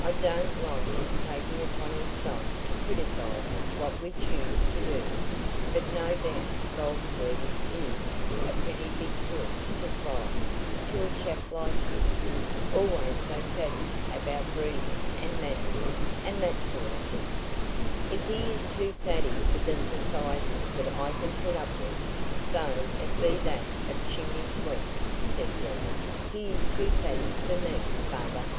I don't like his taking upon himself to criticise what we choose to do; but no doubt Goldsworthy IS a pretty big pill to swallow to a chap like him, always so faddy about breeding and manners, and that sort of thing." "If he is too faddy for the society that I can put up with, though it be that of chimney sweeps," said Deb, "he is too faddy for me, father."